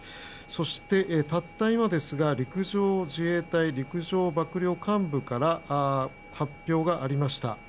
そして、たった今ですが陸上自衛隊陸上幕僚監部から発表がありました。